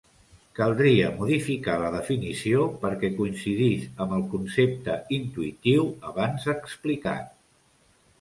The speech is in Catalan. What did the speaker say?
Caldria modificar la definició perquè coincidís amb el concepte intuïtiu abans explicat.